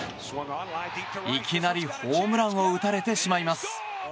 いきなりホームランを打たれてしまいます。